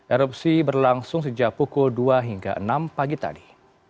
erupsi berlangsung sejak pukul dua hingga enam pagi tadi